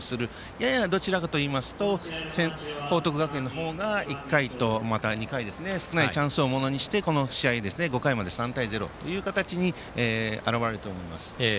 やや、どちらかといいますと報徳学園の方が、１回とまた２回、少ないチャンスをものにして５回まで３対０という形に表れていると思います。